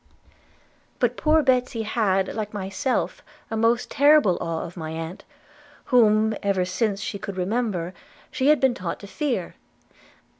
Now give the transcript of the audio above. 'But poor Betsy had, like myself, a most terrible awe of my aunt, whom ever since she could remember she had been taught to fear.